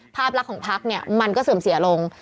ภาพลักษณ์ของพักเนี่ยมันก็เสื่อมเสียลง